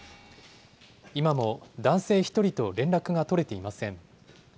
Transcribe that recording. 今も男性１人と連絡が取れていません。